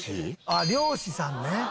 あっ漁師さんね。